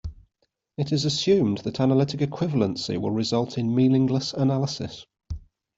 It is assumed that analytic equivalency will result in meaningless analysis.